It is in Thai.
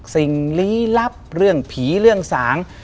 สิ่งลี้ลับเรื่องผีเรื่องสาง